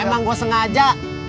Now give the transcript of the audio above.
emang gue sengaja